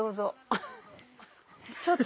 あっ！